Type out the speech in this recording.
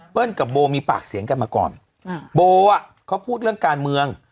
กับโบมีปากเสียงกันมาก่อนโบอ่ะเขาพูดเรื่องการเมือง